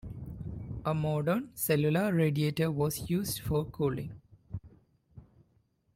A modern cellular radiator was used for cooling.